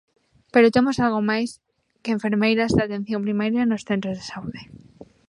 Pero temos algo máis que enfermeiras de atención primaria nos centros de saúde.